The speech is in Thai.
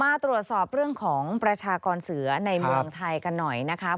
มาตรวจสอบเรื่องของประชากรเสือในเมืองไทยกันหน่อยนะคะ